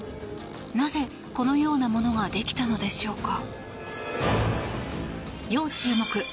なぜ、このようなものができたのでしょうか。